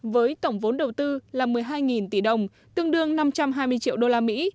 với tổng vốn đầu tư là một mươi hai tỷ đồng tương đương năm trăm hai mươi triệu đô la mỹ